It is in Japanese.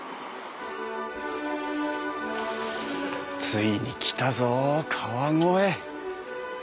ついに来たぞ川越！